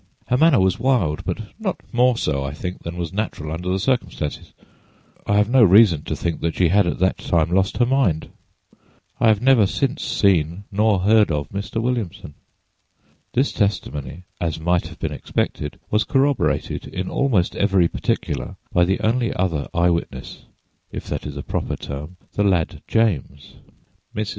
Her manner was wild, but not more so, I think, than was natural under the circumstances. I have no reason to think she had at that time lost her mind. I have never since seen nor heard of Mr. Williamson." This testimony, as might have been expected, was corroborated in almost every particular by the only other eye witness (if that is a proper term)—the lad James. Mrs.